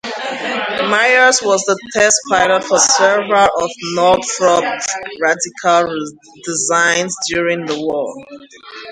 Myers was the test pilot for several of Northrop's radical designs during the war.